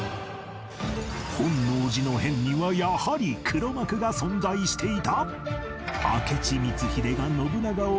本能寺の変にはやはり黒幕が存在していた！？